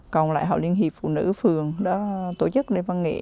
còn lại hội liên hiệp phụ nữ phường đó tổ chức đêm văn nghệ